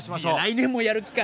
来年もやる気か！